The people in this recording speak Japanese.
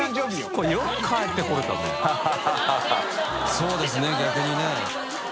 そうですね逆にね。